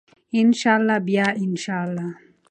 ان شاء الله بیا ان شاء الله.